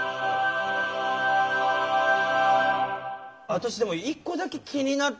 私でも１個だけ気になって。